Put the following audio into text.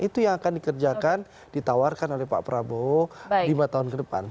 itu yang akan dikerjakan ditawarkan oleh pak prabowo lima tahun ke depan